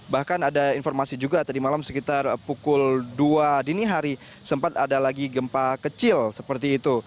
bahkan ada informasi juga tadi malam sekitar pukul dua dini hari sempat ada lagi gempa kecil seperti itu